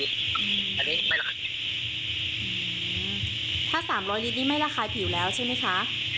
ถ้า๓๐๐ลิตรนี้ไม่ระคายผิวแล้วใช่ไหมคะ